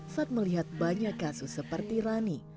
saat melihat banyak kasus seperti rani